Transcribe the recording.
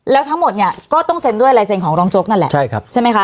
แล้วทั้งหมดเนี่ยก็ต้องเซ็นด้วยลายเซ็นของรองโจ๊กนั่นแหละใช่ครับใช่ไหมคะ